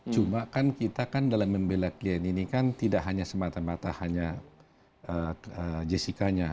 cuma kan kita kan dalam membela klien ini kan tidak hanya semata mata hanya jessica nya